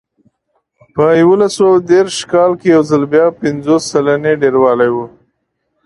په یو سوه دېرش سوه کال کې یو ځل بیا پنځوس سلنې ډېروالی و